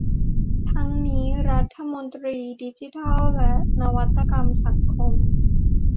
ทั้งนี้รัฐมนตรีดิจิทัลและนวัตกรรมสังคม